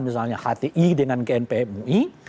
misalnya hti dengan gnp mui